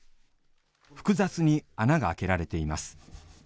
複雑に穴が開けられています。